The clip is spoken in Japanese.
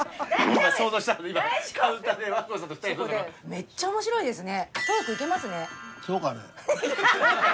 めっちゃ面白いですよ。